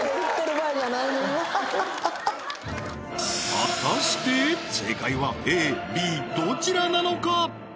果たして正解はＡＢどちらなのか？